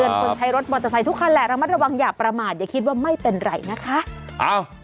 คนใช้รถมอเตอร์ไซค์ทุกคันแหละระมัดระวังอย่าประมาทอย่าคิดว่าไม่เป็นไรนะคะอ้าว